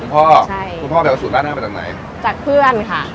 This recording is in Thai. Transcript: ประกาศรายชื่อพศ๒๕๖๑